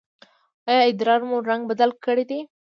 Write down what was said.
ایا ادرار مو رنګ بدل کړی دی؟